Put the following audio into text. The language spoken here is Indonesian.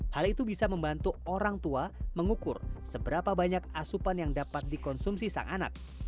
hal itu bisa membantu orang tua mengukur seberapa banyak asupan yang dapat dikonsumsi sang anak